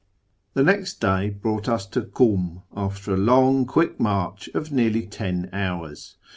The next day brought us to Kum, after a long, quick march of nearly ten hours.